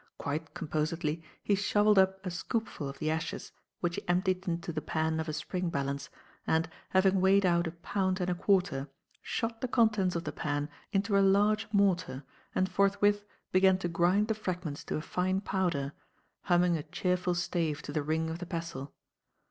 Quite composedly he shovelled up a scoopful of the ashes, which he emptied into the pan of a spring balance, and, having weighed out a pound and a quarter, shot the contents of the pan into a large mortar and forthwith began to grind the fragments to a fine powder, humming a cheerful stave to the ring of the pestle.